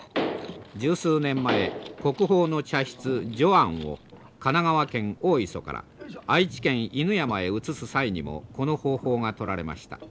十数年前国宝の茶室如庵を神奈川県大磯から愛知県犬山へ移す際にもこの方法が採られました。